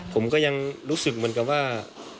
ผมก็ยังรู้สึกเหมือนกับว่า